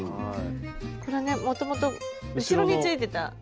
これねもともと後ろについてたやつを。